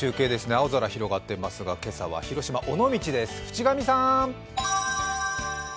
青空広がってますが今朝は広島・尾道です。